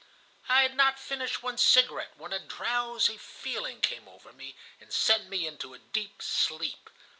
I had not finished one cigarette, when a drowsy feeling came over me and sent me into a deep sleep.